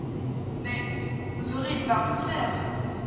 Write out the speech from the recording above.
Mais … Vous aurez une barre de fer.